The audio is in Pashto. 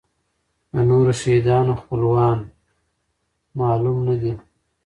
د نورو شهیدانو خپلوان معلوم نه دي.